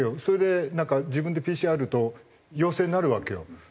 それでなんか自分でＰＣＲと陽性になるわけよ。